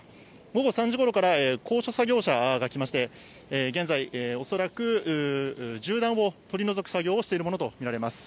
午後３時ごろから、高所作業車が来まして、現在、恐らく銃弾を取り除く作業をしているものと見られます。